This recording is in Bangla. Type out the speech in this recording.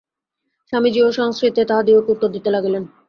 স্বামীজীও সংস্কৃতেই তাঁহাদিগকে উত্তর দিতে লাগিলেন।